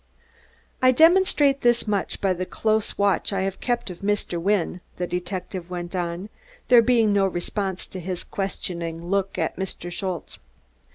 "I demonstrate this much by the close watch I have kept of Mr. Wynne," the detective went on, there being no response to his questioning look at Mr. Schultze.